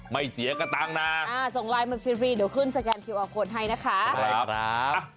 ไม่เสียกระตังค์นะส่งไลน์มาฟรีเดี๋ยวขึ้นสแกนคิวอาร์โคนให้นะคะ